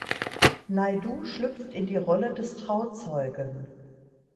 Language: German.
Naidoo schlüpft in die Rolle des Trauzeugen.